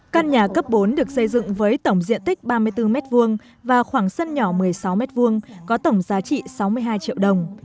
căn nhà cấp bốn được xây dựng với tổng diện tích ba mươi bốn m hai và khoảng sân nhỏ một mươi sáu m hai có tổng giá trị sáu mươi hai triệu đồng